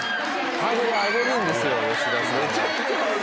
ハードル上げるんですよ吉田さんが。